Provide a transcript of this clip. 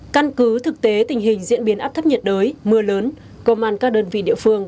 căn cứ thực tế tình hình diễn biến áp thấp nhiệt đới mưa lớn công an các đơn vị địa phương